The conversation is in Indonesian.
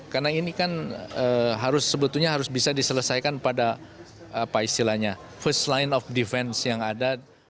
karena ini kan sebetulnya harus bisa diselesaikan pada first line of defense yang ada